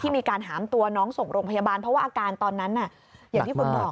มีการหาำตัวน้องส่งโรงพยาบาลเพราะว่าอาการตอนนั้นน่ะ